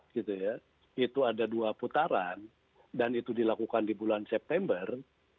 gitu ya itu ada dua putaran dan itu dilakukan di bulan september